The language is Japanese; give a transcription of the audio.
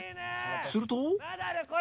すると